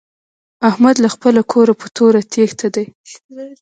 احمد له خپله کوره په توره تېښته دی.